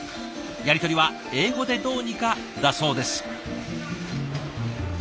やり取りは英語でどうにかだそうです。